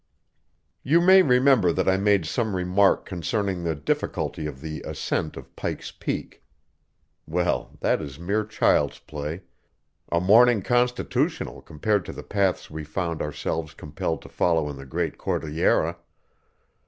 You may remember that I made some remark concerning the difficulty of the ascent of Pike's Peak. Well, that is mere child's play a morning constitutional compared to the paths we found ourselves compelled to follow in the great Cordillera.